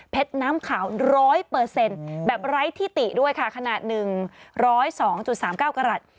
น้ำขาว๑๐๐แบบไร้ที่ติด้วยค่ะขนาด๑๐๒๓๙กรัฐ